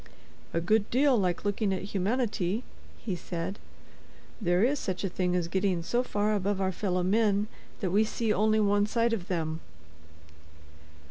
"A good deal like looking at humanity," he said; "there is such a thing as getting so far above our fellow men that we see only one side of them."